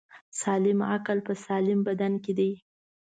سالم عقل په سلیم بدن کی دی